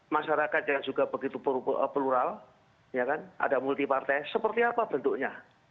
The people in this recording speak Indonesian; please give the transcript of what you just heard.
masyarakat yang juga begitu plural ada multi partai seperti apa bentuknya